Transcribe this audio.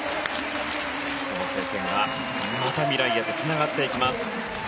この経験がまた未来へとつながっていきます。